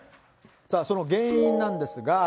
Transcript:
その原因なんですが。